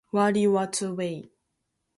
He also hit a triple in the same game.